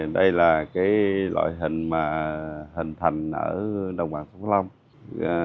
đây là loại hình mà hình thành ở đồng bằng sông cửu long